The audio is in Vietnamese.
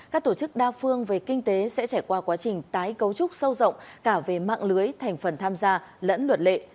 các tổ chức đa phương về kinh tế sẽ trải qua quá trình tái cấu trúc sâu rộng cả về mạng lưới thành phần tham gia lẫn luật lệ